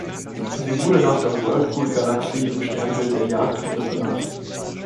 Sie wurde nach der Whirlpool-Galaxie im Sternbild der Jagdhunde benannt.